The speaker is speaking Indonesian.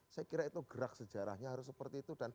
saya kira itu gerak sejarahnya harus seperti itu